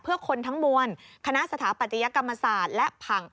เพื่อคนทั้งมวลคณะสถาปัตยกรรมศาสตร์และผัง